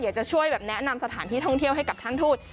จะช่วยแบบแนะนำสถานที่ท่องเที่ยวให้กับท่านทูต